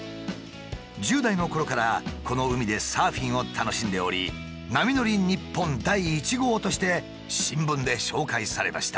１０代のころからこの海でサーフィンを楽しんでおり「波乗り日本第１号」として新聞で紹介されました。